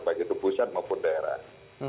baik itu pusat maupun daerah